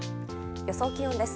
予想気温です。